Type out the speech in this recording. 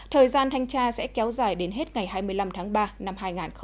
thời gian thanh tra sẽ kéo dài đến hết ngày hai mươi năm tháng ba năm hai nghìn hai mươi